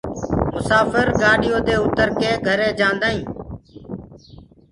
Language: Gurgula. مساڦر گآڏيو دي اُتر ڪي گھرينٚ جآنٚدآئينٚ